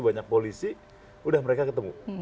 banyak polisi udah mereka ketemu